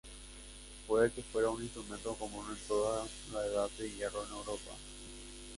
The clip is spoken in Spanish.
Puede que fuera un instrumento común en toda la Edad de Hierro en Europa.